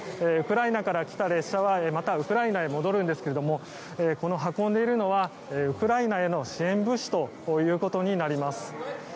ウクライナから来た列車はまたウクライナに戻るんですが運んでいるのはウクライナへの支援物資ということになります。